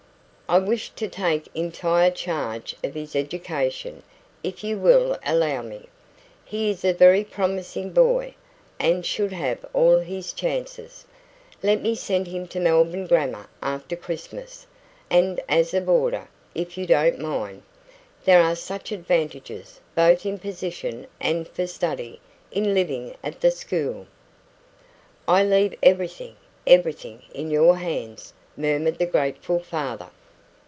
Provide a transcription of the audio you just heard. "I wish to take entire charge of his education, if you will allow me. He is a very promising boy, and should have all his chances. Let me send him to the Melbourne Grammar after Christmas, and as a boarder, if you don't mind. There are such advantages, both in position and for study, in living at the school." "I leave everything everything, in your hands," murmured the grateful father.